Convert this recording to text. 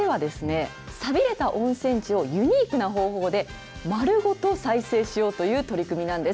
さあ、続いてはですね、寂れた温泉地をユニークな方法で丸ごと再生しようという取り組みなんです。